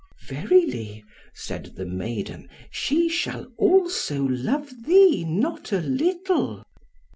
"Verily," said the maiden, "she shall also love thee not a little."